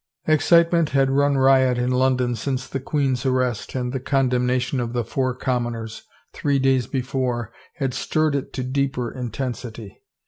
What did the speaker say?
Excitement had run riot in London since the queen's arrest and the condemnation of the four commoners, three days before, had stirred it to deeper intensity.